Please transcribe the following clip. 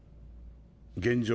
現状